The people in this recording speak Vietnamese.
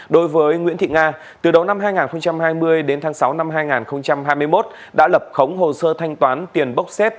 đối với nguyễn thị nga từ đầu năm hai nghìn hai mươi đến tháng sáu năm hai nghìn hai mươi một đã lập khống hồ sơ thanh toán tiền bốc xếp